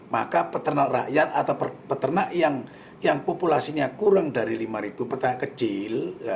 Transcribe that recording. maka peternak rakyat atau peternak yang populasinya kurang dari lima peternak kecil